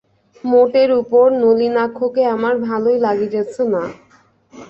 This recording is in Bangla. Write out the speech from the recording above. মোটের উপরে, নলিনাক্ষকে আমার ভালোই লাগিতেছে না।